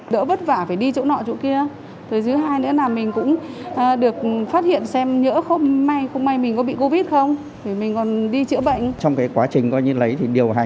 để hoàn thành việc lấy mẫu nhanh nhất